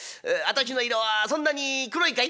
私の色はそんなに黒いかい？」。